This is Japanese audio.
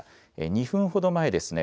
２分ほど前ですね。